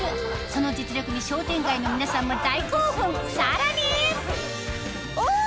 その実力に商店街の皆さんも大興奮さらにお！